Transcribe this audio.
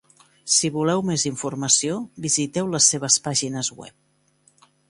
Si voleu més informació, visiteu les seves pàgines web.